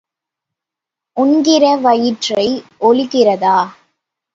உண்கிற வயிற்றை ஒளிக்கிறதா?